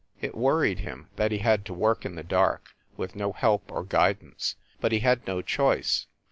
It worried him that he had to work in the dark, with no help or guidance, but he had no choice.